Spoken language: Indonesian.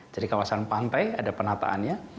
jadi kawasan pantai ada penataannya